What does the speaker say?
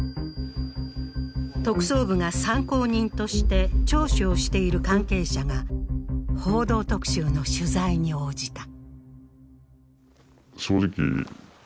特捜部が参考人として聴取をしている関係者が「報道特集」の取材に応じた。